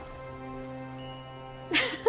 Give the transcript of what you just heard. フフフ。